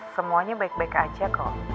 semuanya baik baik aja kok